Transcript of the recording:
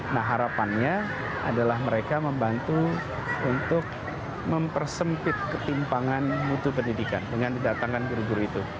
nah harapannya adalah mereka membantu untuk mempersempit ketimpangan mutu pendidikan dengan didatangkan guru guru itu